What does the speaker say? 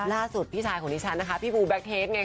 ล่าสุดพี่ชายของดิฉันนะคะพี่บูแบล็คเทสไงค่ะ